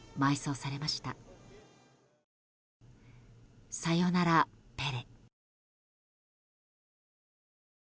さよなら、ペレ。